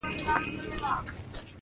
یو ګړی وروسته روهیال تیلفون وکړ.